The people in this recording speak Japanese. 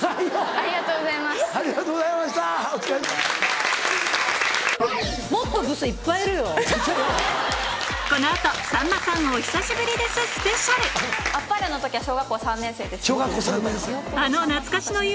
『あっぱれ』の時は小学校３年生です。